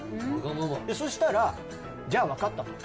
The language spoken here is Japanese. そしたら「じゃあわかった」と。